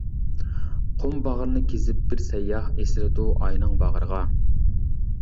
قۇم باغرىنى كېزىپ بىر سەيياھ، ئېسىلىدۇ ئاينىڭ باغرىغا.